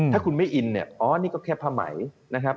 ถ้าคุณไม่อินเนี่ยอ๋อนี่ก็แค่ผ้าไหมนะครับ